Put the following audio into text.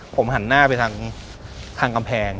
ผมหันหน้าไปทางกำแพง